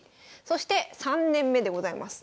そして３年目でございます。